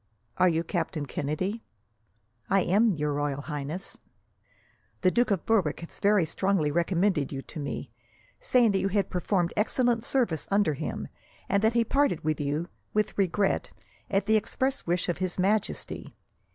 "Are you Captain Kennedy?" "I am, Your Royal Highness." "The Duke of Berwick has very strongly recommended you to me, saying that you had performed excellent service under him, and that he parted with you, with regret, at the express wish of His Majesty.